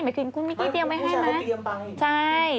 หมายคุณคุณมิกกี้เตรียมไม่ให้มั้ยไม่คุณผู้ชายเขาเตรียมไป